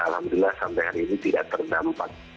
dan alhamdulillah sampai hari ini tidak terdampak